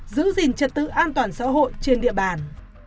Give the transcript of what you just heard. giữ gìn trật tự an toàn xã hội trên địa bàn